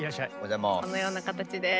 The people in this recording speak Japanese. このような形で。